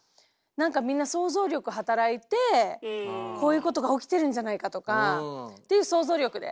なんかみんな想像力働いてこういうことが起きてるんじゃないかとかっていう想像力で。